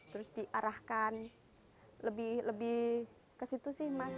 terus diarahkan lebih ke situ sih mas